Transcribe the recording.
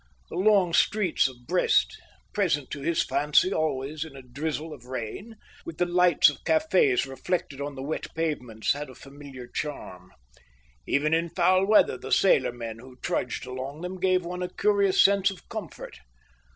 The long streets of Brest, present to his fancy always in a drizzle of rain, with the lights of cafés reflected on the wet pavements, had a familiar charm. Even in foul weather the sailor men who trudged along them gave one a curious sense of comfort.